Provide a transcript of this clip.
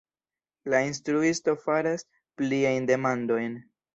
La instruisto faras pliajn demandojn: